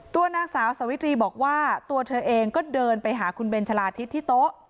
ตัวนางสาวสวิตรีบอกว่าตัวเธอเองก็เดินไปหาคุณเบนชะลาทิศที่โต๊ะ